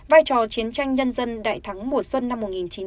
vai trò chiến tranh nhân dân đại thắng mùa xuân năm một nghìn chín trăm bảy mươi năm